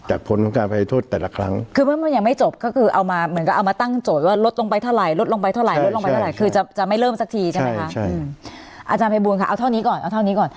อาจารย์พระบุญค่ะเอาเท่านี้ก่อนเอาเท่านี้ก่อน